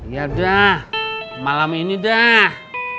ya udah malam ini dah